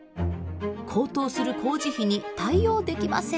高騰する工事費に対応できません。